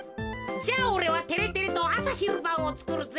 じゃあおれはてれてれとあさひるばんをつくるぜ。